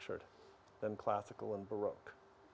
daripada musik dari klasik dan barok